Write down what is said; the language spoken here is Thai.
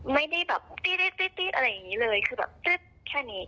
ไม่ได้แบบตี๊ดอะไรอย่างนี้เลยคือแบบตื๊ดแค่นี้